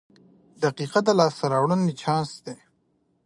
• دقیقه د لاسته راوړنې چانس دی.